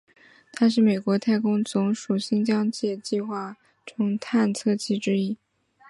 它是美国太空总署新疆界计画计划中的探测器之一。